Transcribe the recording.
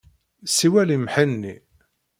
Siwel i Mhenni.